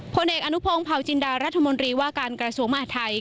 ผลเอกอนุพงศ์เผาจินดารัฐมนตรีว่าการกระทรวงมหาทัย